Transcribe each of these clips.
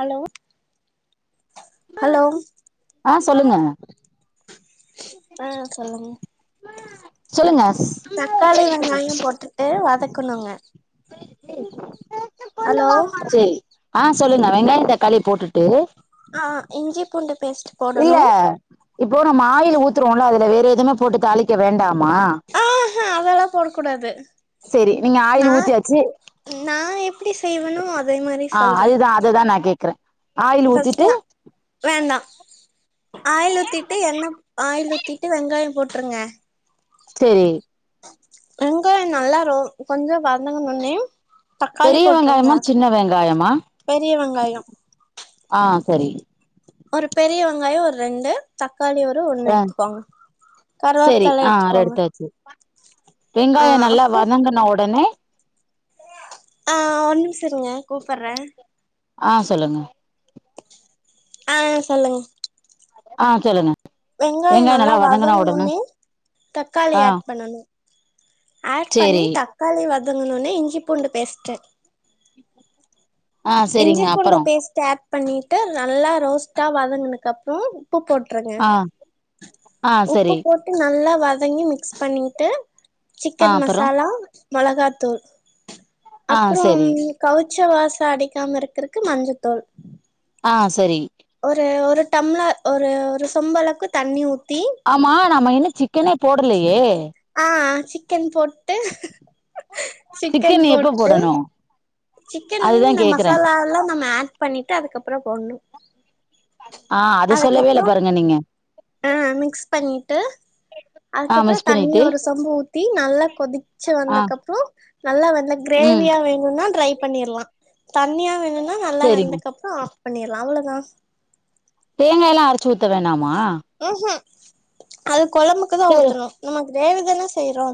hello hello ஆ சொல்லுங்க ஆ சொல்லுங்க சொல்லுங்க தக்காளி வெங்காயோ போட்டுட்டு வதக்கணுங்க ஹலோ செரி ஆ சொல்லுங்க வெங்காயோ தக்காளி போட்டுட்டு ஆ இஞ்சி பூண்டு பேஸ்ட் இல்ல போடணு இப்போ நம்ம ஆயில் ஊத்துருவோல்ல அதுல வேறு எதுமே போட்டு தாளிக்க வேண்டாமா ஆஹா அதெல்லா போடக் கூடாது செரி நீங்க ஆயில் நா ஊத்தியாச்சி நா எப்டி செய்வேனோ அதே மாரி ஆ சொல்றே அதுதா அத தா நா கேக்கறே ஆயில் ஊத்திட்டு வேணா ஆயில் ஊத்திட்டு எண்ண ஆயில் ஊத்திட்டு வெங்காயோ போட்ருங்க செரி வெங்காயோ நல்லா ரோ கொஞ்சோ வதங்கனோனே பெரிய வெங்காயமா சின்ன வெங்காயமா பெரிய வெங்காயோ ஆ செரி ஒரு பெரிய வெங்காயோ ஒரு ரெண்டு தக்காளி ஒரு ஒண்ணு ஆ எடுத்துக்கோங்க சரி கருவோப்புல எடுத்துக்கோங்க ஆ வெங்காயோ நல்லா அப்றோ வதங்குன ஒடனே ஆ ஒரு நிமிஷ இருங்க கூப்பற ஆ சொல்லுங்க ஆ சொல்லுங்க ஆ சொல்லுங்க வெங்காயோ நல்லா வதங்குன ஒனே ஆ தக்காளிய ஆட் பண்ணனு ஆட் பண்ணி சேரி தக் காளி வதங்குனோனே இஞ்சி பூண்டு பேஸ்ட்டு ஆ இஞ்சி சேரிங்க பூண்டு அப்பறோ பேஸ்ட ஆட் பண்ணிட்டு நல்லா ரோஸ்ட்டா வதங்குனக்கப்றோ உப்பு போட்ருங்க ஆ ஆ உப்பு சரி போட்டு நல்லா வதங்கி மி க்ஸ் பண்ணிட்டு ஆ சிக்கன் அப்பறோ மசாலா மொளகாத்தூள் ஆ அப்றோம் சரி கவுச்ச வாச அடிக்காம இருக்கறக்கு மஞ்சத்தூள் ஆ செரி ஒரு ஒரு டம்ளர் ஒரு ஒரு சொம்பளவுக்கு தண்ணி ஊத்தி ஆமா நாம இன்னு சிக்கனே போடலையே ஆ ஆ சிக்கன் போட்டு சிக்கன் எப்ப போட்டு போடணு சிக்கன்ல வந்து அதுதா இந்த கேக்குறே மசாலாலா நம்ம ஆட் பண்ணிட்டு அதுக்கப்றோ போட்ணு ஆ அத சொல்லவே இல்ல அதுக்கப்புறோ பாருங்க நீங்க ஆ மிக்ஸ் பண்ணிட்டு ஆ அதுக்கப்ற மிஸ் தண்ணி பண்ணிட்டு ஒரு சொம்பு ஊத்தி நல்லா கொதிச்சு ஆ வந்தக்கப்றோ நல்லா வந்து ம் கிரேவியா வேணுனா ட்ரை பண்ணிற்லா தண்ணியா வேணுனா நல்லா சரிங்க வெந்தக்கப்ற ஆஃப் பண்ணிற்லா அவளதா தேங்காய்லா அரைச்சு ஊத்த வேணாமா ம் ம் அது கொழம்புக்கு தா ஊத்தணு நம்ம கிரேவி தான செய்றோ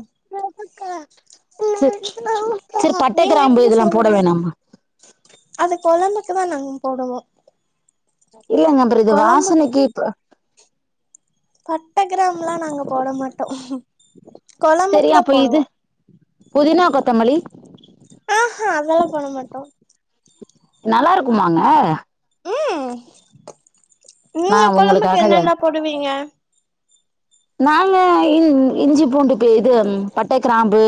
ச சேரி பட்ட நீங்க கிராம்பு எப்டி இதெல்லா போட செய்வீங்க வேணாமா அது கொழம்புக்கு தா நாங்க போடுவோ இல்லங்க அப்ற இது கொழம்பு வாசனைக்கு இப்ப பட்ட கிராம்புலா நாங்க போட மாட்டோ கொழம்புக்கு தெரியு தா அப்ப இது போடுவோ புதினா கொத்தமல்லி ஹ அதெல்லா போடமாட்டோ நல்லா இருக்குமாங்க ம் நா நீங்க கொழம்புக்கு உங்களுக்காக இத என்னென்ன போடுவீங்க நாங்க இன் இஞ்சி பூண்டு பே இது பட்ட கிராம்பு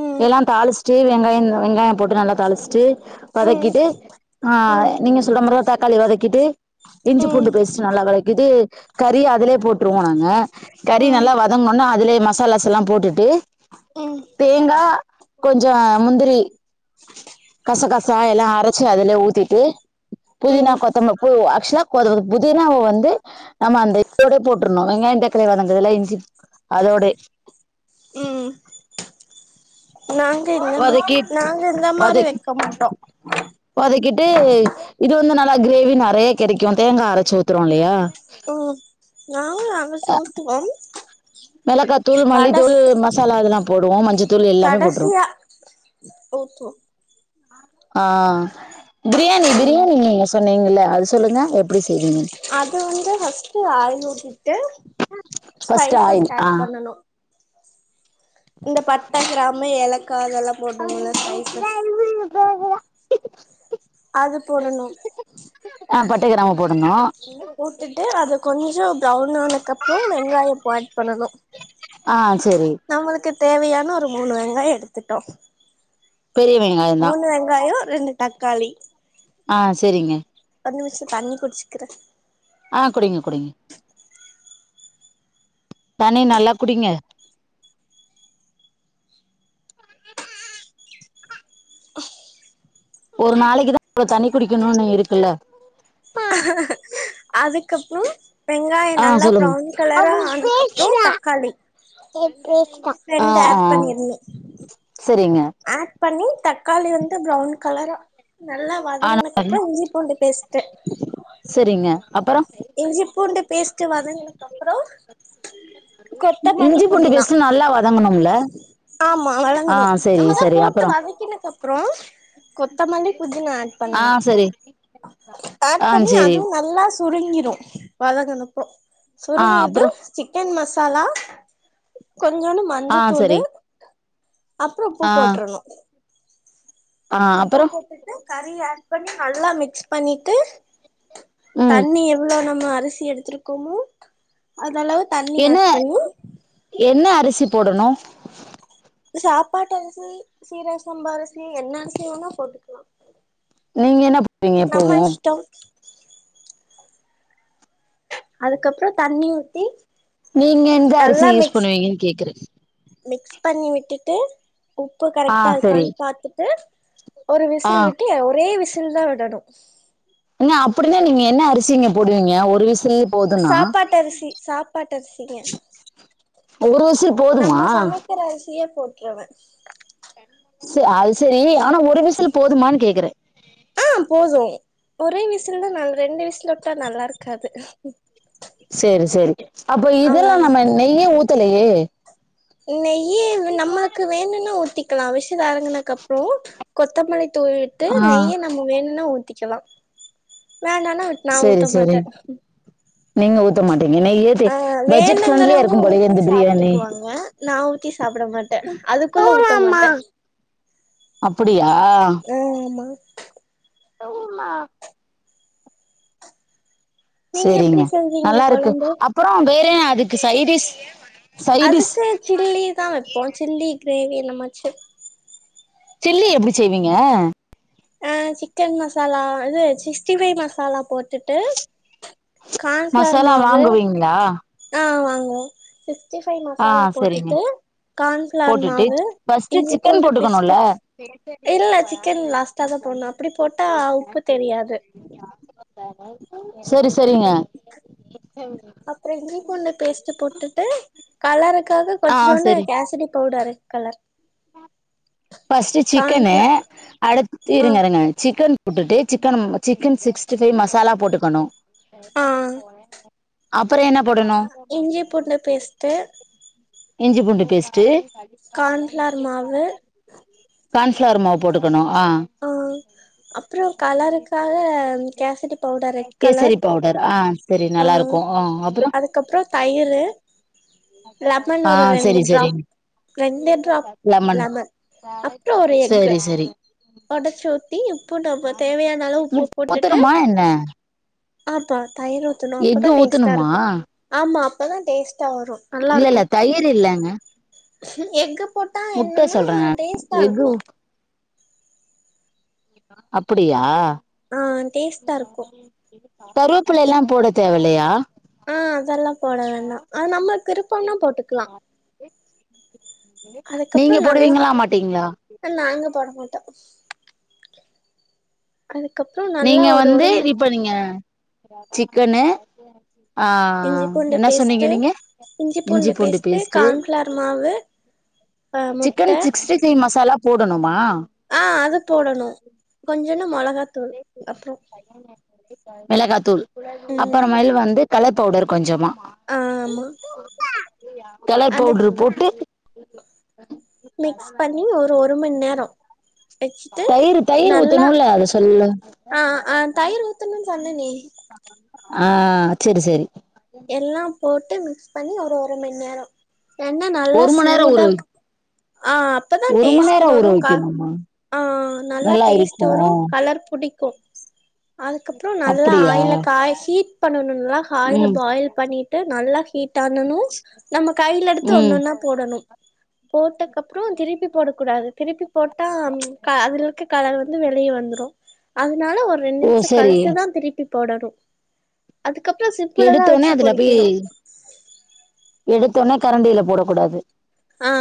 ம் எல்லா தாளிச்சுட்டு வெங்காய வெங்காய போட்டு நல்லா தாளிச்சுட்டு ம் வதக்கிட்டு ஆ ம் நீங்க சொல்ற மாரிதா தக்காளி வதக்கிட்டு இஞ்சி ம் பூண்டு பேஸ்ட்டு நல்லா வதக்கிட்டு கறி அதுலே போட்ருவோ நாங்க கறி ம் நல்லா வ தங்குனோன அதுலே மசாலாஸெல்லா போட்டுட்டு ம் தேங்கா கொஞ்ச முந்திரி கச கசா எல்லா அரச்சு அதுலே ஊத்திட்டு புதினா ம் கொத்தம பு ஆக்சுவலா அது புதினாவ வந்து நம்ம அந்த இதோடே போட் ணு வெங்காய தக்காளி வதங்குதுல இஞ்சிப் அதோடே ம் நாங்க இந்த மா வதக்கி நாங்க இந்த மாரி வதக் வெக்க மாட்டோ வதக்கிட்டு இது வந்து நல்லா கிரேவி நெறையா கெடைக்கு தேங்கா அரைச்சு ஊத்துரோ இல்லையா ம் நாங்களு அரைச்சு ஊத்துவோம் மிளகாத்தூள் மல்லித்தூள் மசாலா இதெல்லா போடுவோ மஞ்சத்தூள் எல்லாமே போட்ருவோ ஓப்போ ஆ பிரியாணி ம் பிரியாணி நீங்க சொன்னீங்கல்ல அது சொல்லுங்க எப்டி செய்வீங்கன் அது வந்து ஃபஸ்ட்டு ஆயில் ஊத்திகிட்டு ஃபர்ஸ்ட்டு ஸ்பைசஸ் ஆயில் ஆ ஆட் பண்ணணு இந்த பட்ட கிராமு ஏலக்கா அதெல்லா போட்ணுமுல்ல ஸ்பைசஸ் உ அது போடணு ஆ பட்ட கிராம்பு போடணு போட்டுட்டு அது கொஞ்சோ பிரவுன் ஆனக் அப்றோ வெங்காயோ இப் ஆட் பண்ணணு ஆ செரி நம்முளுக்கு தேவையான ஒரு மூணு வெங்காயோ எடுத்துட்டோ பெரிய வெங்காயந்தா ங்காயோ ரெண்டு தக்காளி ஆ செரிங்க ஒர் நிம்ஷோ தண்ணி குடிச்சுக்கிறே ஆ குடிங்க குடிங்க தண்ணி நல்லா குடிங்க ஒரு நாளைக்கு தா இவ்ளோ தண்ணி குடிக்குணுனு இருக்குல்ல அதுக்கப்றோ வெங்காயோ ஆ நல்லா சொல்லுங்க ப்ரவுன் கலரா ஆனக்கப்றோ தக்காளி ஆ ரெண்டு ஆ ஆட் பண்ணிருந்தே சரிங்க ஆட் பண்ணி தக்காளி வந்து ப்ரவுன் கலரு நல்லா வதங் ஆனா வதங்னக்கப்றோ இஞ்சி பூண்டு பேஸ்ட்டு செரிங்க அப்பறோ இஞ்சி பூண்டு பேஸ்ட்டு வதங்னக் அப்றோ இஞ்சி பூண்டு பேஸ்ட்டு நல்லா வதங்கணும்ல ஆ செரி செரி அப்றோ வதக்கினக் அப்றோ கொத்தமல்லி புதினா ஆட் ஆ பண்ணனு செரி ஆட் ஆ பண்ணி செரி அதுவு நல்லா சுருங்கிரு வதங்குனப்போ ஆ சுருங்கிது அப்புறோ சிக்கன் மசாலா கொஞ்சோனு ஆ மஞ்சத்தூளு செரி அப்றோ உப்பு ஆ போட்ரனு ஆ உப்பு அப்புறோ போட்டுட்டு கறி ஆட் பண்ணி நல்லா மிக்ஸ் பண்ணிட்டு ம் தண்ணி எவ்ளோ நம்ம அரிசி எடுத்துருக்கோமோ அதளவு தண்ணி என்ன ஆட் பண்ணி என்ன அரிசி போடணு சாப்பாட்டு அரிசி சீரக சாம்பா அரிசி என்ன அரிசி வேணா போட்டுக்லா நீங்க என்ன போடுவிங்க எப்பவு ட்டவ் அதுக்கப்றோ தண்ணி ஊத்தி நீங்க எந்த அரிசி நல்லா யூஸ் மிக்ஸ் பண்ணுவிங்க கேக்குறே மிக்ஸ் பண்ணி விட்டுட்டு உப்பு ஆ கரெக்ட்டா செரி இருக்கான் பாத்துட்டு ஒரு ஆ விசில் விட்டு ஒரே விஸ் சில் தா விடணு ஏங்க அப்டின்னா நீங்க என்ன அரிசிங்க போடுவீங்க ஒரு விசில் போதுன்னா சாப்பாட்டரிசி சாப்பாட்டு அரிசி ங்க [unintelligible] நம்ம சமைக்குற அரிசியே போட்ருவே சு அது சரி ஆனா ஒரு விசில் போதுமான்னு கேக்குறே அ போது ஒரே விசில் தா நல் ரெண்டு விசில் உட்டா நல்லாருக்காது சேரி சேரி அப்ப இதுல அவ்ளோதா நம்ம நெய்யே ஊத்தலயே நெய்யு நம்மளுக்கு வேணுனா ஊத்திக்கலா விசில் எறங்கனக்கு அப்றோ கொத்தமல்லி தூவிவிட்டு ஆ நெய்ய நம்ம வேணுனா ஊத்திக்கலா வேண்டானா நா சேரி ஊத்த சேரி மாட்டே நீங்க ஊத்த மாட்டிங்க நெய்யி ஆ வேணுங்றவங்க ஊத்தி பிரியாணி சாப்ட்டுக்குவாங்க நா ஊத்தி சாப்ட மாட் ட அதுக்குள்ள ஊத்த மாட்ட அப்புடியா ஓ ஆமா உம் மா நீங்க சேரிங்க எப்டி செஞ்சீங்க நல்லா இருக்கு கொழம்பு அப்பறோ வேற அதுக்கு சைடிஸ் அதுக்கு சில்லி தா வைப்போ சில்லி கிரேவி என்ன மாச்சு சில்லி எப்டி செய்வீங்க அ சிக்கன் மசாலா இது சிக்ஸ்டி ஃபைவ் மசாலா போட்டுட் டு கான்பிளார் மாவு ளா ஆமாங்க சிக்ஸ்டி ஃபைவ் ஆ மசாலா சரிங்க போட்டுட்டு கான்பிளார் போட்டுட்டு மாவு ஃபர்ஸ்ட் இஞ்சி சிக்கன் பூண்டு பேஸ்ட்டு போட்டுக்கணும்ல இல்ல சிக்கன் லாஸ்ட் டா தா போட்ணு அப்டி போட்டா உப்பு தெரியாது சேரி சரிங்க அப்றோ இஞ்சி பூண்டு பேஸ்ட்டு போட்டுட்டு கலருக்காக ஆ கொஞ்சோன்டு சரி கேசரி powder red colour first chicken cornflour அடுத் ஆ இருங்க இருங்க சிக்கன் உட்டுட்டு சிக்கனம் சிக்கன் சிக்ஸ்டி ஃபைவ் மசாலா போட்டுக்கணு ஆ அப்பறம் என்னா போடணு இஞ்சி பூண்டு பேஸ்ட்டு இஞ்சி பூண்டு பேஸ்ட்டு கார்ன்ஃப்ளார் மாவு கான்ஃப்ளார் மாவு போட்டுக்கணு ஆ அ அப்றோ கலருக்காக கேசரி பவுடர் ரெட் கேசரி கலர் பவுடர் ஆ சரி அ நல்லா இருக்கு ஆ அப்புறோ அதுக்கப்பறோ தையிரு லெமன் ஆ ஒரு ரெண்டு சரி சரி டிராப் ரெண்டு டிராப் லெமன் அப்றோ ஒரு எக்கு சரி சரி உடைச்சி ஊத்தி உப்பு டப்பா தேவையான அளவு உப்பு முட்ட போட்டுட்டு ஊத்தணுமா என்ன ஆப்பா தயிர் ஊத்துணும் அப்பதா எக்கு டேஸ்ட்டா ஊத்தணுமா இருக்கு ஆமா அப்பதா டேஸ்ட்டா வரும் இல்ல இல்ல தயிரு இல்லங்க எக்கு போட்டா முட்டை என்னன்னா சொல்றே நானு டேஸ்ட்டா எக்கு இருக்கு ஊ அப்புடியா ஆ டேஸ்ட்டா இருக்கு கருவுப்பில எல்லா போட தேவல்லயா அ அதெல்லா போட வேண்டா அ நம்ம விருப்பன்னா போட்டுக்கலா நீங்க அதுக்கப்றோ நல்லா போடுவீங்களா மாட்டீங்ளா நாங்க போட மாட்டோ கதுக்கப்றோ நீங்க வந்து இப்ப நீங்க சிக்கனு அ இஞ்சி பூண்டு என்ன சொன்னீங்க பேஸ்ட்டு நீங்க இஞ்சி பூண்டு பேஸ்ட்டு ஆ முட்ட சிக்கன் சிக்ஸ்டி ஃபைவ் மசாலா போடணுமா ஆ அது போடணு கொஞ்சுண்டு மொளகா தூள் அப்றோ மிளகாத்தூள் ம் அப்புறமேல் வந்து கலர் பவுடர் கொஞ்சமா ஆமா கலர் அது பவுடரு போட் மிக்ஸ் பண்ணி ஒரு ஒரு மண் நேரோ வச்சிட்டு தயிரு தயிர் நல்லா ஊத்தணுல்ல அத சொல்லு அ அ தயிர் ஊத்தணுன்னு சொன்னனே அ சேரி சரி எல்லா போட்டு மிக்ஸ் பண்ணி ஒரு ஒரு மணி நேர எண்ணெ நல்லா ஒரு மண் நேரோ ஊற வை சூடாக் ஆ அப்பதா ஒரு மண் டேஸ்ட் நேரோ ஊற வருக்கா வைக்கணுமா ஆ நல்லா டேஸ்ட் வரு கலர் புடிக்கு அதுக்கப்பற நல்லா அப்டியா ஆயில காய்ச்சி ஹீட் பண்ணணு காயில ம் பாயில் பண்ணி ட்டு நல்லா ஹீட் ஆன்னனு நம்ம கைல எடுத்து ம் ஒன்னொன்னா போடணு போட்டக்கப்பற திருப்பி போடக்கூடாது திருப்பி போட்டா அதுல இருக்க கலர் வந்து வெளிய வந்துரு அதனால ஒரு ரெண்டு ஓ நிமிஷ சரி கழிச்சுதா திருப்பி போடணு அதுக்கப்ற சிப்புளதா எடுத்தோனே வச்சு பொறிக்கணு எடுத்தொனே கரண்டில போடக்கூடாது ஆ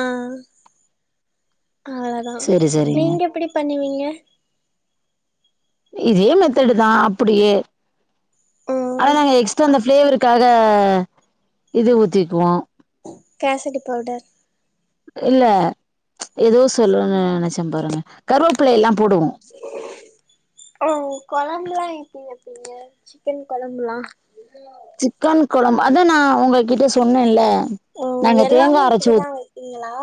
அவ்ளோதா செரி செரிங்க நீங்க எப்டி பண்ணுவீங்க இதே மெத்தடு தா அப்படியே ஆனா ம் நாங்க எக்ஸ்ட்ரா அந்த பிளேவருக்காக இது ஊத்திக்குவோ கேசடி பவுடர் இல்ல எதோ சொல்லனுன் நெனைச்ச பாருங்க கருவேப்பிளைலா போடுவோ [inaudible] ஓ கொழம்புலா எப்டி வப்பிங்க சிக்கன் கொழம்புலா சிக்கன் கொழம்பு அதா நா உங்ககிட்ட சொன்னேன்ல நாங்க தேங்கா அரச்சு ஊத் இங்களா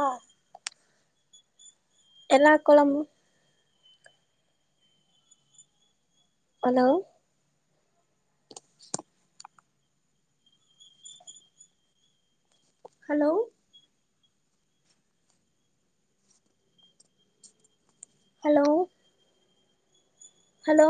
எல்லா கொழம்பு ஹலோ [inaudible] ஹலோ ஹலோ ஹலோ